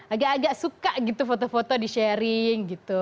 agak agak suka gitu foto foto di sharing gitu